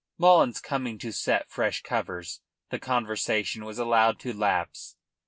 Mullins coming to set fresh covers, the conversation was allowed to lapse.